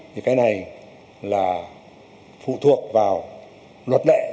thì cái này là phụ thuộc vào luật lệ